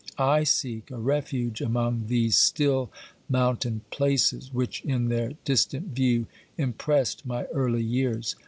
I seek a refuge among these still mountain places, which, in their distant view, impressed my early years.